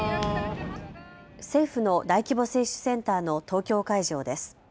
政府の大規模接種センターの東京会場です。